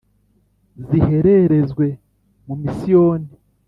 zihererezwe mu misiyoni